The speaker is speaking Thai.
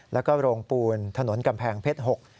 แล้วก็โรงปูนถนนกำแพงเพชร๖